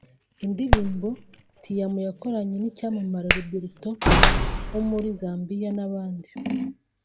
indirimbo Teamo yakoranye n’icyamamare Roberto wo muri Zambia n’abandi